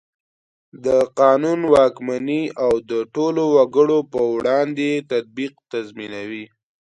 د قانون واکمني او د ټولو وګړو په وړاندې تطبیق تضمینوي.